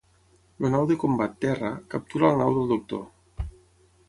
El nau de combat "Terra" captura la nau del Doctor.